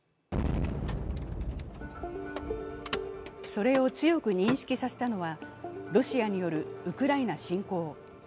それを強く認識させたのはロシアによるウクライナ侵攻。